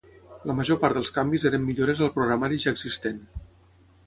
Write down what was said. La major part dels canvis eren millores al programari ja existent.